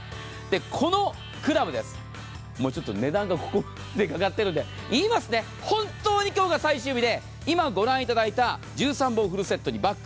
このクラブです、値段がここまで出かかっているんで、言いますね、本当に今日が最終日で今御覧いただいた１３本セットにバッグ。